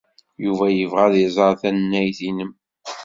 Yuba yebɣa ad iẓer tannayt-nnem.